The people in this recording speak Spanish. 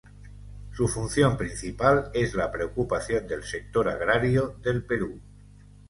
Su función principal es la preocupación del sector agrario del Perú.